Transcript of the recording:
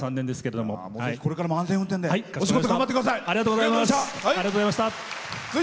これからも安全運転でお仕事頑張ってください。